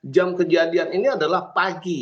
jam kejadian ini adalah pagi